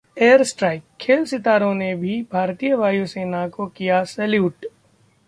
Air Strike: खेल सितारों ने भी भारतीय वायुसेना को किया सैल्यूट